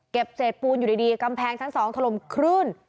เศษปูนอยู่ดีกำแพงชั้น๒ถล่มคลื่น